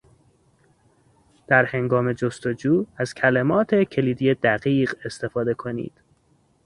در هنگام جستجو از کلمات کلیدی دقیق استفاده کنید.